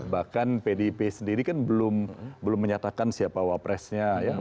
bahkan pdip sendiri kan belum menyatakan siapa wapresnya